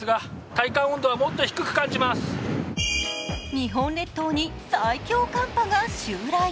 日本列島に最強寒波が襲来。